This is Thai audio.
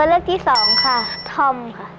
เลือกที่สองค่ะธอมค่ะ